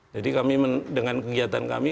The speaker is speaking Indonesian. jadi dengan kegiatan kami